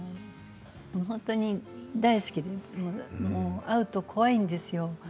本当に大好きで会うと怖いんですよ